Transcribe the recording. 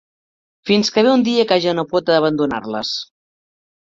Fins que ve un dia que ja no pot abandonar-les.